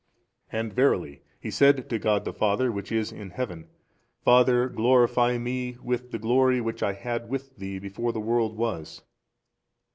And verily He said to God the Father which is in Heaven, Father glorify Me with the glory which I had with Thee before the world was.